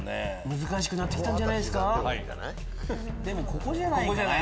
難しくなって来たんじゃないですか？